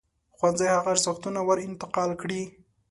ښوونځی هغه ارزښتونه ور انتقال کړي.